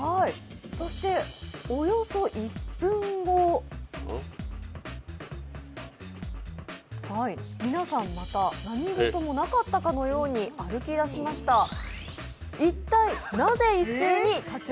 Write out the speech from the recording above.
そして、およそ１分後皆さん、また何事もなかったかのように歩き出しました。